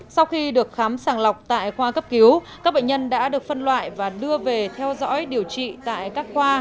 sau khi được khám sàng lọc tại khoa cấp cứu các bệnh nhân đã được phân loại và đưa về theo dõi điều trị tại các khoa